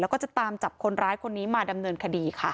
แล้วก็จะตามจับคนร้ายคนนี้มาดำเนินคดีค่ะ